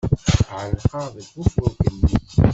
Ɛellqeɣ deg ufurk-nni.